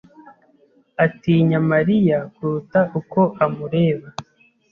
atinya Mariya kuruta uko amureba.